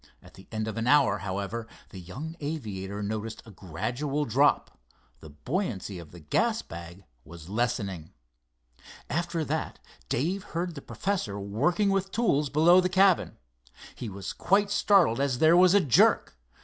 At the end of an hour, however, the young aviator noticed a gradual drop. The buoyancy of the gas bag was lessening. After that Dave heard the professor working with tools below the cabin. He was quite startled as there was a jerk.